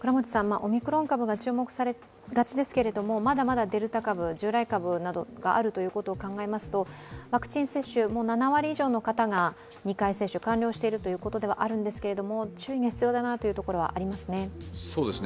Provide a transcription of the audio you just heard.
オミクロン株が注目されがちですけれども、まだまだデルタ株、従来株などがあるということを考えますと、ワクチン接種、７割以上の方が２回接種完了しているということではあるんですが、注意が必要だなというところはありますね。